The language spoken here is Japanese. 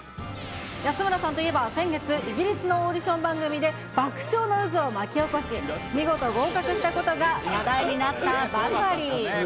安村さんといえば、先月、イギリスのオーディション番組で爆笑の渦を巻き起こし、見事、合格したことが話題になったばかり。